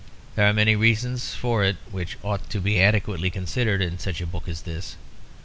There are many reasons for it which ought to be adequately considered in such a book as this.